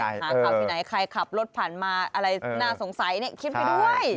หาข่าวที่ไหนใครขับรถผ่านมาอะไรน่าสงสัยคิดไปด้วย